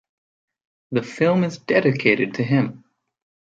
The film is dedicated to him.